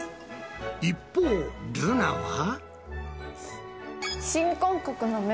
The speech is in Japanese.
一方ルナは。